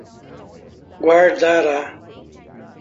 Guarará